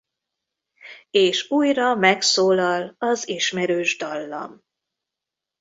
És újra megszólal az ismerős dallam.